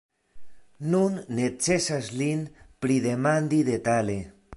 Nun necesas lin pridemandi detale.